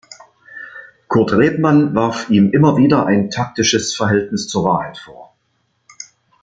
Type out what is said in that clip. Kurt Rebmann warf ihm immer wieder ein „taktisches Verhältnis zur Wahrheit“ vor.